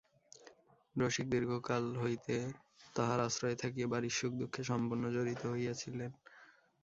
রসিক দীর্ঘকাল হইতে তাঁহার আশ্রয়ে থাকিয়া বাড়ির সুখদুঃখে সম্পূর্ণ জড়িত হইয়া ছিলেন।